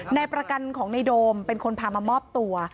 ในประกันของในโดมเป็นคนพามามอบตัว